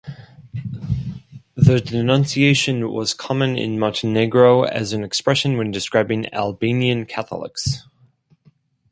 The denunciation was common in Montenegro as an expression when describing Albanian Catholics.